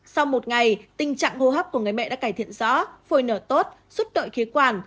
sau một ngày tình trạng hô hấp của người mẹ đã cải thiện rõ phôi nở tốt suốt đợi khí quản